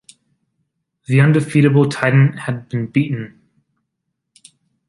The undefeatable titan had been beaten.